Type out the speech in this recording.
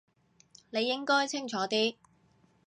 你應該清楚啲